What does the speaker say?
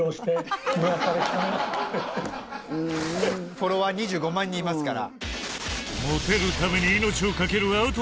フォロワー２５万人いますから。